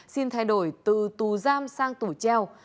xin thay đổi từ tù giam sang tù treo